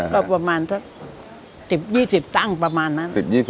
ก็ประมาณสัก๑๐๒๐ตั้งประมาณนั้น